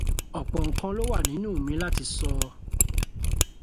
Ọ̀pọ̀ ǹ kan ló wà nínú mi láti sọ.